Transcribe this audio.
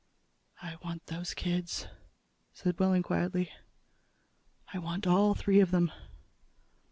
"I want those kids," said Wehling quietly. "I want all three of them."